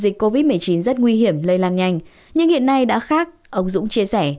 dịch covid một mươi chín rất nguy hiểm lây lan nhanh nhưng hiện nay đã khác ông dũng chia sẻ